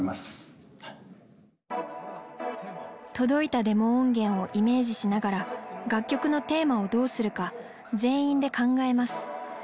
届いたデモ音源をイメージしながら楽曲のテーマをどうするか全員で考えます。